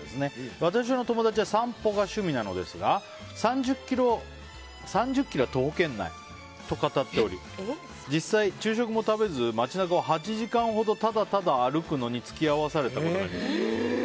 私の友達は散歩が趣味なのですが３０ｋｍは徒歩圏内と語っており実際、昼食も食べず街中を８時間ほどただただ歩くのに付き合わされたことがあります。